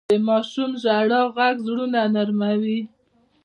د ماشوم ژړا ږغ زړونه نرموي.